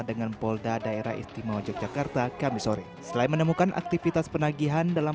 dengan polda daerah istimewa yogyakarta kami sore selain menemukan aktivitas penagihan dalam